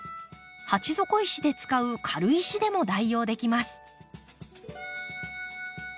鉢底石で使う軽石でも代用できます。